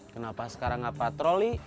kenapa sekarang gak patroli